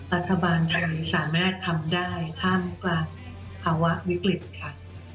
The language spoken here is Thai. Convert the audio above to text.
รัฐบาลไทยสามารถทำได้ท่ามกลางภาวะวิกฤตค่ะ